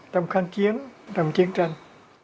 trong kháng chiến trong chiến tranh